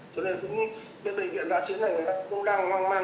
cho nên cũng bên bệnh viện gia chứng này người ta cũng đang hoang mang